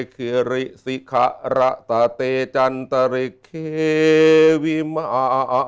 ขอสัจจาวาเจ้า